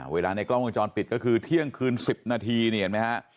เวลาในกล้องกระจอนปิดก็คือเที่ยงคืน๑๐นาทีนี่เห็นมั้ยฮะ